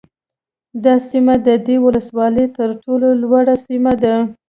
دا سیمه د دې ولسوالۍ ترټولو لوړه سیمه ده